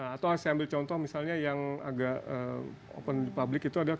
atau saya ambil contoh misalnya yang agak open public itu adalah